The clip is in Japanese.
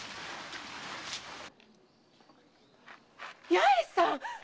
八重さんっ！